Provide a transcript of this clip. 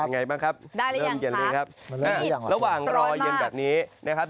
นี่อย่างไรบ้างครับเริ่มเย็นเลยครับนี่ตรอนมาก